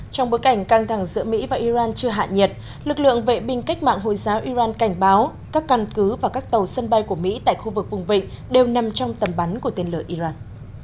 trong bối cảnh căng thẳng giữa mỹ và iran chưa hạ nhiệt lực lượng vệ binh cách mạng hồi giáo iran cảnh báo các căn cứ và các tàu sân bay của mỹ tại khu vực vùng vịnh đều nằm trong tầm bắn của tên lửa iran